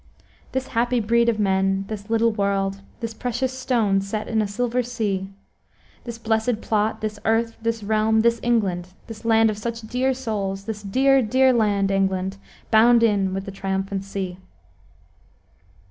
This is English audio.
"This happy breed of men, this little world, This precious stone set in a silver sea, This blessed plot, this earth, this realm, this England, This land of such dear souls, this dear, dear land, England, bound in with the triumphant sea!"